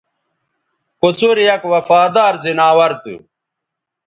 کوڅر یک وفادار زناور تھو